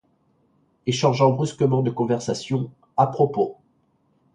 Et changeant brusquement de conversation: — À propos!